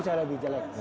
saya lebih jelek